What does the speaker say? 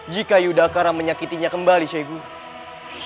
jika yudhakara menyakitinya kembali syekh guri